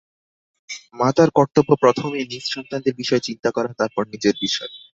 মাতার কর্তব্য প্রথমে নিজ সন্তানদের বিষয় চিন্তা করা, তারপর নিজের বিষয়।